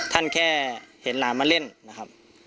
แค่เห็นหลานมาเล่นนะครับ